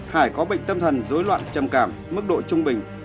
hải có bệnh tâm thần dối loạn trầm cảm mức độ trung bình